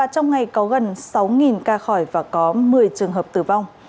trong ngày có gần sáu ca khỏi và có một mươi trường hợp tử vong